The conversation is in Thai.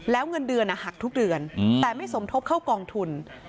แล้วเงินเดือนหักทุกเดือนแต่ไม่สมทบเข้ากองทุน